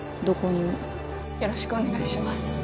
どこにもよろしくお願いします